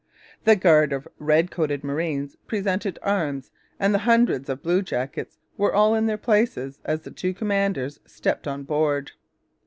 The guard of red coated marines presented arms, and the hundreds of bluejackets were all in their places as the two commanders stepped on board.